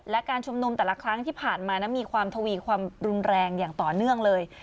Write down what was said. และการชุมนุมแต่ละครั้งที่ผ่านมานั้นมีความทวีความรุนแรงอย่างต่อเนื่องเลย